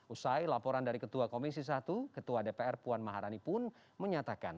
usai laporan dari ketua komisi satu ketua dpr puan maharani pun menyatakan